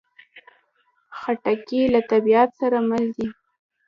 خټکی له طبیعت سره مل دی.